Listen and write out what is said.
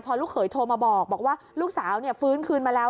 พอลูกเขยโทรมาบอกว่าลูกสาวฟื้นคืนมาแล้ว